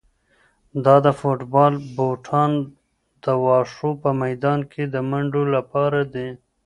دا د فوټبال بوټان د واښو په میدان کې د منډو لپاره دي.